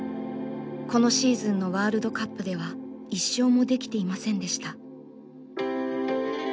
このシーズンのワールドカップでは１勝もできていませんでした。